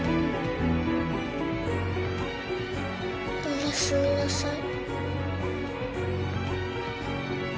おやすみなさい。